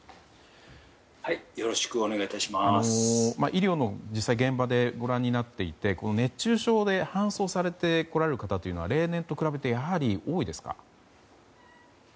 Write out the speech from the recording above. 医療の現場でご覧になっていて熱中症で搬送されて来られる方というのは例年と比べてやはり多いですか？